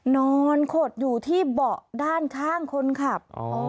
นอนขดอยู่ที่เบาะด้านข้างคนขับ